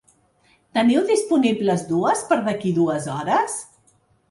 Teniu disponibles dues per d'aquí dues hores?